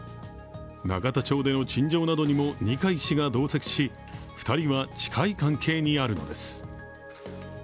永田町での陳情などにも二階氏が同席し２人は近い関係にあるのです。